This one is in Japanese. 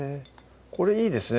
これいいですね